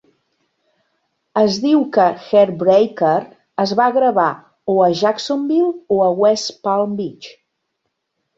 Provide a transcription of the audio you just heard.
Es diu que "Heartbreaker" es va gravar "o a Jacksonville o a West Palm Beach".